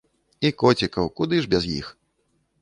І коцікаў, куды ж без іх!